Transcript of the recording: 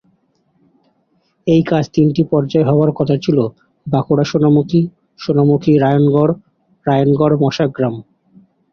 এই কাজ তিনটি পর্যায়ে হওয়ার কথা ছিল: বাঁকুড়া-সোনামুখী, সোনামুখী-রায়নগর ও রায়নগর-মশাগ্রাম।